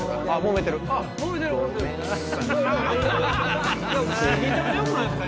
めちゃめちゃよくないっすか？